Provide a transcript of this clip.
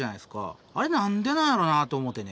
あれ何でなんやろなと思てね。